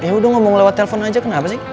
ya udah ngomong lewat telpon aja kenapa sih